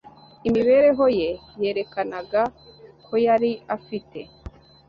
imibereho ye yerekanaga ko yari afite